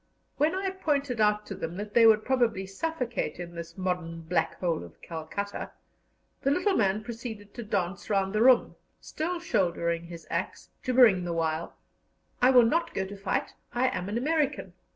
When I pointed out to them that they would probably suffocate in this modern Black Hole of Calcutta, the little man proceeded to dance round the room, still shouldering his axe, jibbering the while: "I will not go to fight; I am an American.